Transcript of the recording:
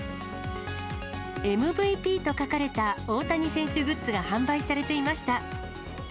ＭＶＰと書かれた大谷選手グッズが販売されていました。